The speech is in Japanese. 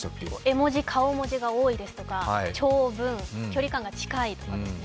絵文字、顔文字が多いですとか長文、距離感が近いですね。